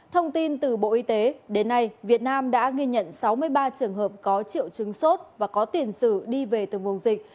thông tin từ bộ y tế đến nay việt nam đã ghi nhận sáu mươi ba trường hợp có triệu chứng sốt và có tiền sử đi về từ vùng dịch